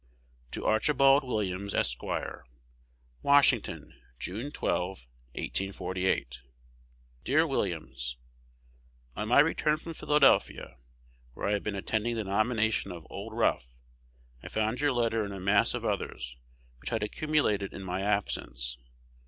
To Archibald Williams, Esq. Washington, June 12, 1848. Dear Williams, On my return from Philadelphia, where I had been attending the nomination of "Old Rough," I found your letter in a mass of others which had accumulated in my absence.